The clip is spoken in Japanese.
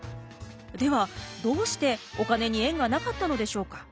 ではどうしてお金に縁がなかったのでしょうか？